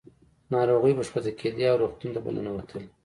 ناروغۍ به ښکته کېدې او روغتون ته به ننوتلې.